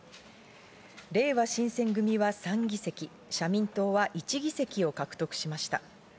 れいわ新選組は３議席、社民党は１議席を獲得しました。